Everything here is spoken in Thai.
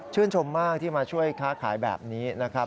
ชมมากที่มาช่วยค้าขายแบบนี้นะครับ